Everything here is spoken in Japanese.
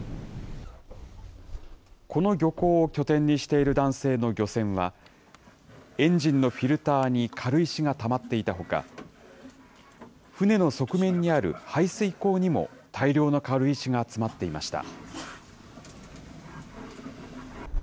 この漁港を拠点にしている男性の漁船は、エンジンのフィルターに軽石がたまっていたほか、船の側面にある排水口にも大量の軽石が詰まっていました。